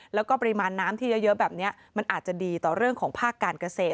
แล้วก็ปริมาณน้ำที่เยอะแบบนี้มันอาจจะดีต่อเรื่องของภาคการเกษตร